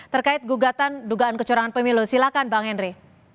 terkait gugatan dugaan kecurangan pemilu silakan bang henry